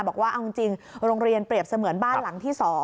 บอกว่าเอาจริงโรงเรียนเปรียบเสมือนบ้านหลังที่๒